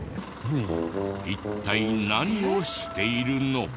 一体何をしているの？